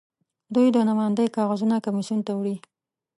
دوی د نوماندۍ کاغذونه کمېسیون ته وړي.